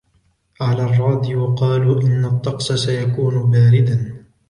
على الراديو قالوا إن الطقسَ سيكونُ بارداً